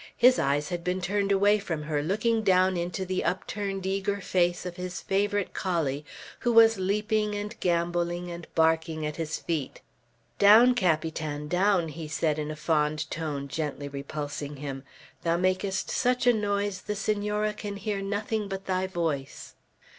His eyes had been turned away from her, looking down into the upturned eager face of his favorite collie, who was leaping and gambolling and barking at his feet. "Down, Capitan, down!" he said in a fond tone, gently repulsing him; "thou makest such a noise the Senora can hear nothing but thy voice."